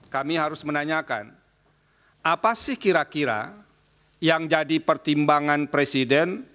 kami harus menanyakan apa sih kira kira yang jadi pertimbangan presiden